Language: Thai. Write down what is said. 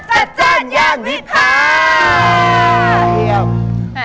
จัดจ้านยานวิภา